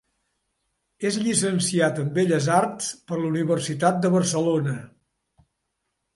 És llicenciat en Belles Arts per la Universitat de Barcelona.